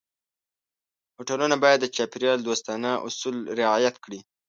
هوټلونه باید د چاپېریال دوستانه اصول رعایت کړي.